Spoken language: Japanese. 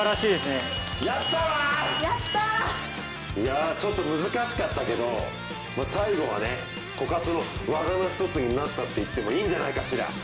いやちょっと難しかったけど最後はねコ春の技の一つになったって言ってもいいんじゃないかしら？